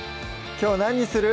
きょう何にする？